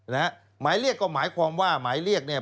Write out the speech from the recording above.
หมายเรียกก็หมายความว่าหมายเรียกเนี่ย